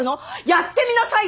やってみなさいよ！